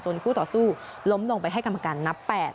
คู่ต่อสู้ล้มลงไปให้กรรมการนับ๘